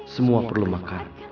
semua perlu makan